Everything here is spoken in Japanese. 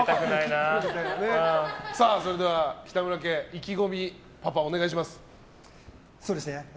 それでは北村家意気込み、パパお願いします。